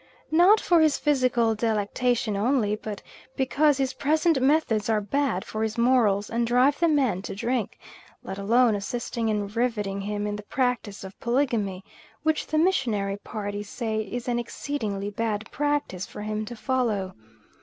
Not for his physical delectation only, but because his present methods are bad for his morals, and drive the man to drink, let alone assisting in riveting him in the practice of polygamy, which the missionary party say is an exceedingly bad practice for him to follow.